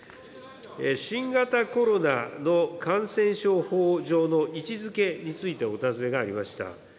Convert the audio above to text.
新型コロナの感染症法上の位置づけについてお尋ねがありました。